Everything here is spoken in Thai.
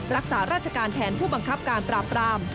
รักษาราชการแทนผู้บังคับการปราบราม